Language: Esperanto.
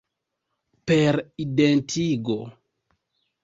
Per identigo.